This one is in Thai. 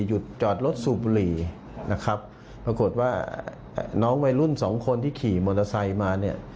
หยุดจอดรถสูบบุหรี่นะครับปรากฏว่าน้องวัยรุ่นสองคนที่ขี่มอเตอร์ไซค์มาเนี่ย